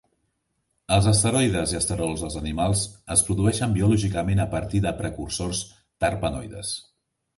Els esteroides i esterols dels animals es produeixen biològicament a partir de precursors terpenoides.